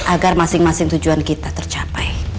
agar masing masing tujuan kita tercapai